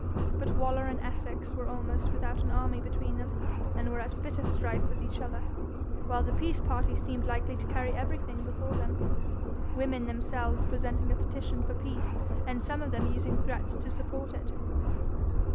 But Waller and Essex were almost without an army between them, and were at bitter strife with each other, while the peace party seemed likely to carry everything before them, women themselves presenting a petition for peace, and some of them using threats to support it.